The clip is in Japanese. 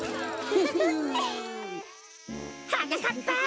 はなかっぱ！